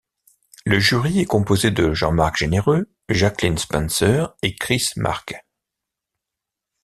Le jury est composé de Jean-Marc Généreux, Jaclyn Spencer et Chris Marques.